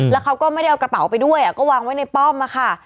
แล้วเขาก็ไม่ได้เอากระเป๋าไปด้วยก็วางไว้ในป้อมค่ะ